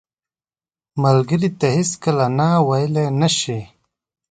ملګری ته هیڅکله نه ویلې نه شي